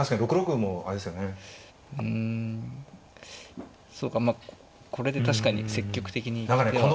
うんそうかまあこれで確かに積極的に行く手は。